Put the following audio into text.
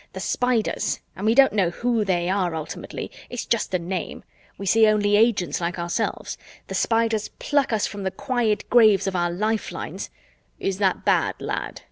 The Spiders and we don't know who they are ultimately; it's just a name; we see only agents like ourselves the Spiders pluck us from the quiet graves of our lifelines " "Is that bad, lad?"